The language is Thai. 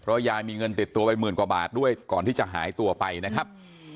ยายมีเงินติดตัวไปหมื่นกว่าบาทด้วยก่อนที่จะหายตัวไปนะครับ